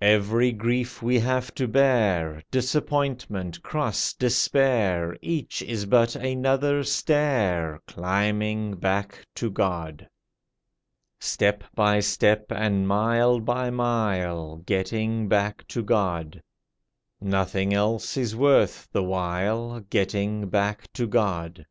Every grief we have to bear Disappointment, cross, despair Each is but another stair Climbing back to God. Step by step and mile by mile— Getting back to God; Nothing else is worth the while— Getting back to God.